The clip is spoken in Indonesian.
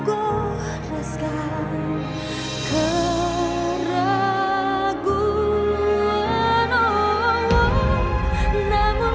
haruskah ku pergi darimu